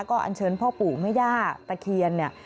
ก็อันเชิญพ่อปู่แม่ย่าตะเคียนเนี่ย